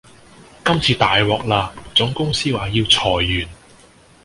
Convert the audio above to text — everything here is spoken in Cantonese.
今次大獲啦！總公司話要裁員